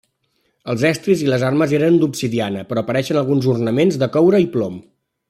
Els estris i les armes eren d'obsidiana, però apareixen alguns ornaments de coure i plom.